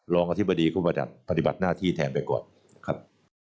อธิบดีก็มาปฏิบัติหน้าที่แทนไปก่อนครับ